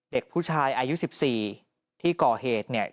เด็กผู้ชายอายุ๑๔ที่ก่อเหตุเนี่ย